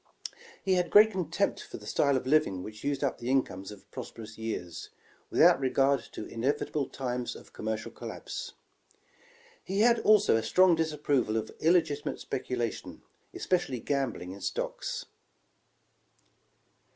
''He had great contempt for the style of living which used up the incomes of prosperous years, without regard to inevitable times of commercial collapse. He had also a strong disapproval of illegitimate speculation, especially gambling in stocks.